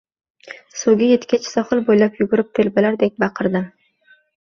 Suvga etgach, sohil bo`ylab yugurib, telbalardek baqirdim